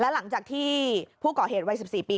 หลังจากที่ผู้ก่อเหตุวัย๑๔ปี